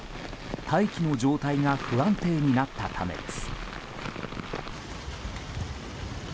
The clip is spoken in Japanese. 大気の状態が不安定になったためです。